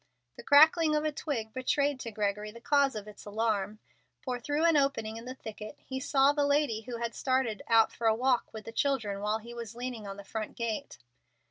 The crackling of a twig betrayed to Gregory the cause of its alarm, for through an opening in the thicket he saw the lady who had started out for a walk with the children while he was leaning on the front gate.